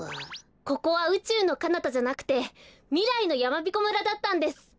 ここはうちゅうのかなたじゃなくてみらいのやまびこ村だったんです。